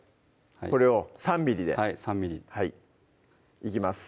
これを３ｍｍではい３ｍｍいきます